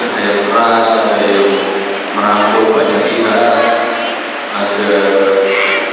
ada yang keras ada yang merangkuk banyak pihak